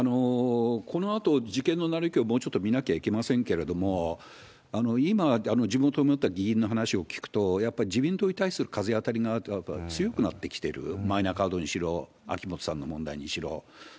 このあと、事件の成り行きをもうちょっと見なきゃいけませんけれども、今、地元にあった議員の話を聞くと、やっぱり自民党に対する風当たりがやっぱ強くなってきてる、マイナカードにしろ、秋本さんの問題にしろ。